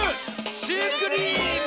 「シュークリーム」！